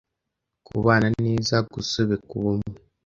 kubana neza, gusobeka ubumwe,